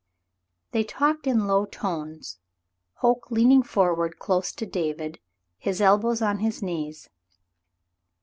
They talked in low tones, Hoke leaning forward close to David, his elbows on his knees.